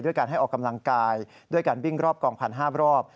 การให้ออกกำลังกายด้วยการวิ่งรอบกองพัน๕รอบ